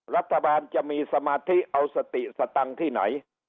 รัฐบาลจะมีสมาธิเอาสติสตังค์ที่ไหน